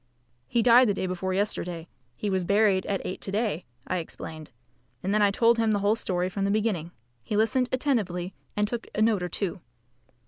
"He died the day before yesterday. He was buried at eight to day," I explained; and then I told him the whole story from the beginning. He listened attentively and took a note or two.